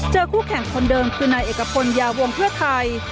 คู่แข่งคนเดิมคือนายเอกพลยาวงเพื่อไทย